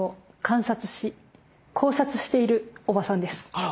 あら！